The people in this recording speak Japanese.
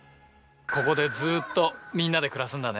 ここでずっとみんなで暮らすんだね。